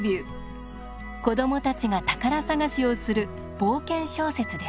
子どもたちが宝探しをする冒険小説です。